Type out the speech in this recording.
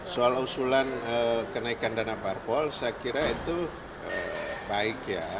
soal usulan kenaikan dana parpol saya kira itu baik ya